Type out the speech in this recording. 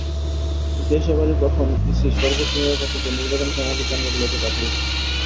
ইতিহাসে এবারই প্রথম ইসি সর্বোচ্চ নিরাপত্তা দিয়ে নির্বাচন সামগ্রী কেন্দ্রগুলোতে পাঠিয়েছে।